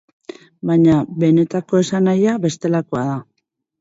Baina benetako esanahia bestelakoa da.